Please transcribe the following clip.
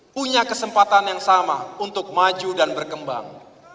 punya kesempatan yang sama untuk maju dan berkembang